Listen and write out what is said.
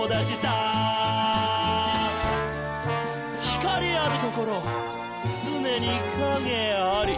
「光あるところ、つねに影あり！」